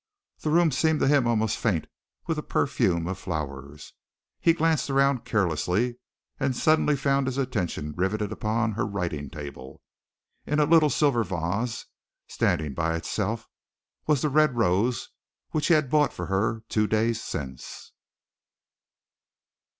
The room seemed to him almost faint with the perfume of flowers. He glanced around carelessly, and suddenly found his attention riveted upon her writing table. In a little silver vase, standing by itself, was the red rose which he had bought for her two days since!